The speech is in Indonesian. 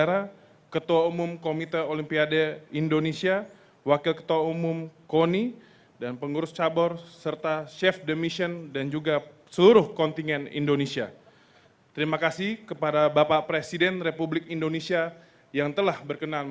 raya kebangsaan indonesia raya